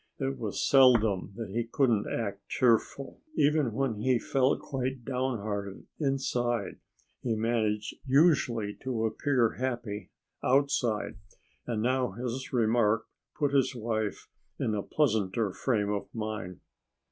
It was seldom that he couldn't act cheerful. Even when he felt quite downhearted, inside, he managed usually to appear happy, outside. And now his remark put his wife in a pleasanter frame of mind.